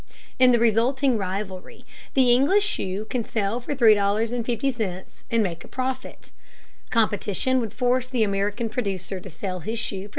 In the resulting rivalry, the English shoe can sell for $3.50 and make a profit. Competition would force the American producer to sell his shoe for $3.